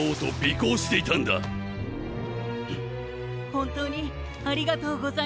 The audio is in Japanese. ほんとうにありがとうございます。